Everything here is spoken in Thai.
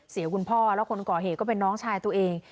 คุณพ่อแล้วคนก่อเหตุก็เป็นน้องชายตัวเอง